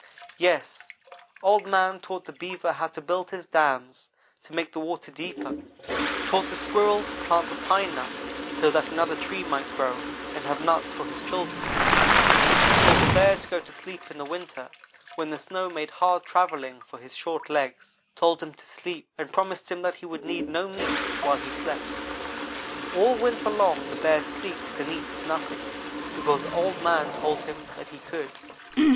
"Yes Old man taught the Beaver how to build his dams to make the water deeper; taught the Squirrel to plant the pine nut so that another tree might grow and have nuts for his children; told the Bear to go to sleep in the winter, when the snow made hard travel ling for his short legs told him to sleep, and promised him that he would need no meat while he slept. All winter long the Bear sleeps and eats nothing, because Old man told him that he could.